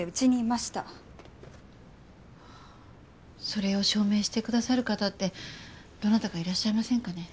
それを証明してくださる方ってどなたかいらっしゃいませんかね？